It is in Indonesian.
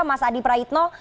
mas adi prahitno